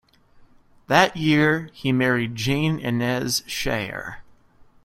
That year he married Jane Inez Scheyer.